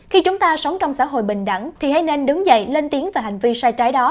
khi chúng ta sống trong xã hội bình đẳng thì hay nên đứng dậy lên tiếng về hành vi sai trái đó